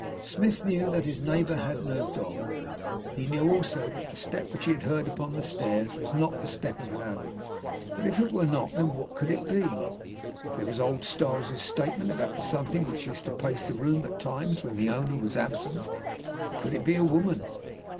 Smith knew that his neighbour had no dog. He knew, also, that the step which he had heard upon the stairs was not the step of an animal. But if it were not, then what could it be? There was old Styles's statement about the something which used to pace the room at times when the owner was absent. Could it be a woman?